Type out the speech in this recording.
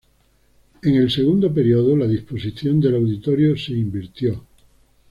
En el segundo periodo, la disposición del auditorio se invirtió.